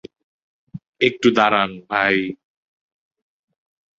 একটু দাঁড়ান ভাই।